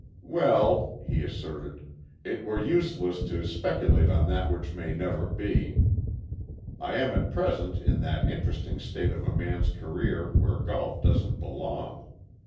"Well," he asserted, "it were useless to speculate on that which may never be. I am at present in that interesting state of a man's career where golf doesn't belong.